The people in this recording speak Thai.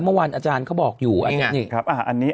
เมื่อวานอาจารย์เขาบอกอยู่อันนี้